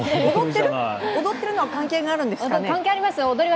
踊っているのは関係があるんですかね？